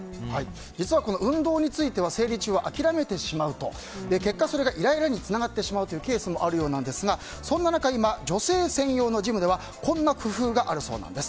実は運動については生理中は諦めてしまうと結果、それがイライラにつながってしまうというケースもあるようなんですがそんな中、今女性専用のジムではこんな工夫があるそうです。